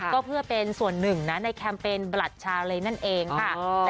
ก็เพื่อเป็นส่วนหนึ่งนะในแคมเปญบลัดชาวเลนั่นเองค่ะ